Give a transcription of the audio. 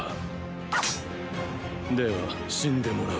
では死んでもらう！